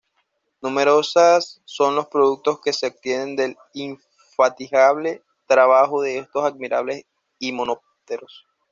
Numerosos son los productos que se obtienen del infatigable trabajo de estos admirables himenópteros.